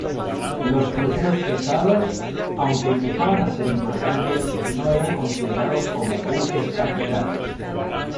Los cruceros pesados, aunque empezaban a ser importantes, no eran considerados como "buques capitales".